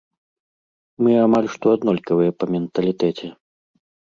Мы амаль што аднолькавыя па менталітэце.